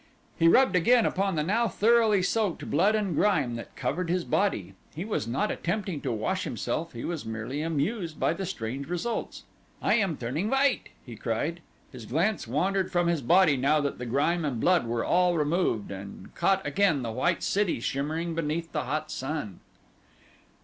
He rubbed again upon the now thoroughly soaked blood and grime that covered his body. He was not attempting to wash himself; he was merely amused by the strange results. "I am turning white," he cried. His glance wandered from his body now that the grime and blood were all removed and caught again the white city shimmering beneath the hot sun.